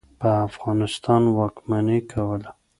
په افغانستان واکمني کوله.